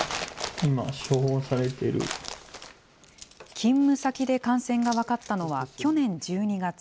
勤務先で感染が分かったのは去年１２月。